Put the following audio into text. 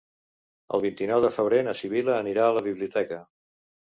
El vint-i-nou de febrer na Sibil·la anirà a la biblioteca.